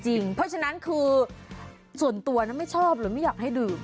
เพราะฉะนั้นคือส่วนตัวไม่ชอบหรือไม่อยากให้ดื่ม